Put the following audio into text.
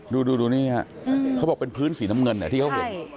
ดูดูดูนี่อ่ะอืมเขาบอกเป็นพื้นสีน้ำเงินอ่ะที่เขาเห็นใช่